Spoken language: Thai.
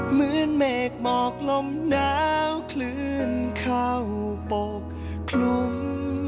เหมือนเมฆหมอกลมหนาวคลื่นเข้าปกคลุม